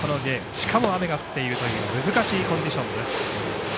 しかも、雨が降っているという難しいコンディションです。